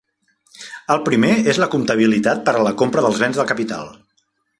El primer és la comptabilitat per a la compra dels bens de capital.